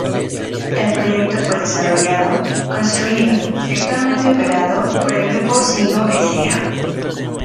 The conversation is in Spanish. El proyecto fue desarrollado, construido y actualmente operado por el Grupo Sigo S. A..